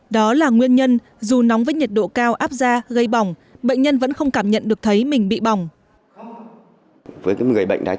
đó là nguyên nhân dù nóng với trường đá nhưng cũng không có nguyên liệu khác